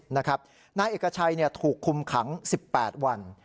นายเอกชัยถูกคุมขัง๑๘วัน